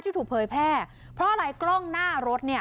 ที่ถูกเผยแพร่เพราะอะไรกล้องหน้ารถเนี่ย